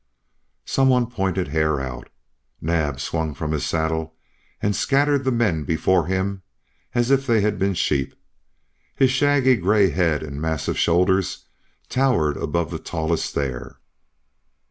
Some one pointed Hare out. Naab swung from his saddle and scattered the men before him as if they had been sheep. His shaggy gray head and massive shoulders towered above the tallest there.